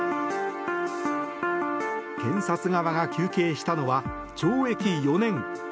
検察側が求刑したのは懲役４年。